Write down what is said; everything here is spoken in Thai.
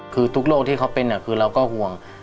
คือทุกโรคที่เขาเป็นคือเราก็ห่วง